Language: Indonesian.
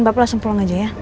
bapak langsung pulang aja ya